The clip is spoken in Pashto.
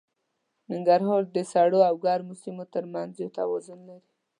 ننګرهار د سړو او ګرمو سیمو تر منځ یو توازن لري.